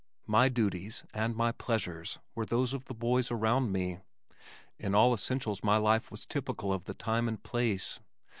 My duties and my pleasures were those of the boys around me. In all essentials my life was typical of the time and place.